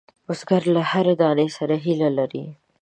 بزګر له هرې دانې سره هیله لري